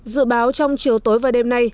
dự báo trong chiều tối và đêm nay